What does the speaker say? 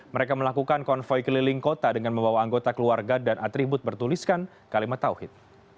mereka melakukan konvoy keliling kota dengan membawa anggota keluarga dan atribut bertuliskan kalimat tawhid